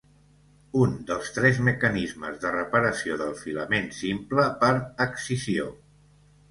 Un dels tres mecanismes de reparació del filament simple per excisió.